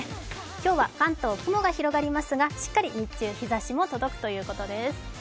今日は関東、雲が広がりますがしっかり日中日ざしも届くということです。